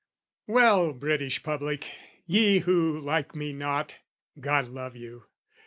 Well, British Public, ye who like me not, (God love you!)